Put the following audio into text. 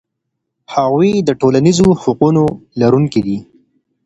هغوی د ټولنیزو حقونو لرونکي دي.